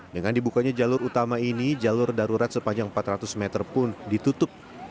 dengan dibukanya jalur utama ini jalur darurat sepanjang empat ratus meter pun ditutup